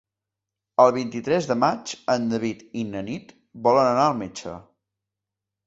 El vint-i-tres de maig en David i na Nit volen anar al metge.